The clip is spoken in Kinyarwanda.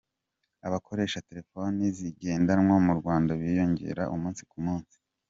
Abakoresha telefoni zigendanwa mu Rwanda biyongera umunsi ku munsi.